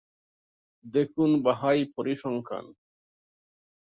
দেখুন বাহাই পরিসংখ্যান।